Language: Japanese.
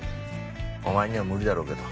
お前には無理だろうけど。